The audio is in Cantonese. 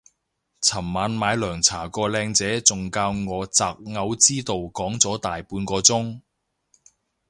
尋晚買涼茶個靚姐仲教我擇偶之道講咗大半個鐘